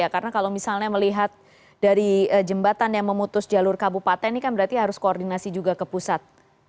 karena kalau misalnya melihat dari jembatan yang memutus jalur kabupaten ini kan berarti harus koordinasi juga ke pusat